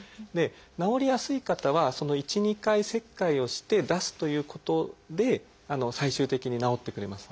治りやすい方は１２回切開をして出すということで最終的に治ってくれます。